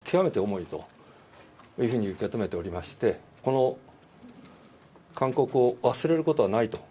辞職勧告、これが採決されたというのは、極めて重いというふうに受け止めておりまして、この勧告を忘れることはないと。